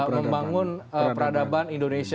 membangun peradaban indonesia